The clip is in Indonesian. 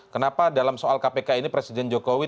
kenapa dalam soal kpk ini presiden jokowi